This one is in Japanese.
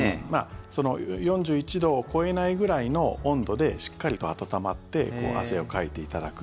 ４１度を超えないぐらいの温度でしっかりと温まって汗をかいていただく。